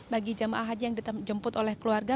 bagi jemaah haji yang dijemput oleh keluarga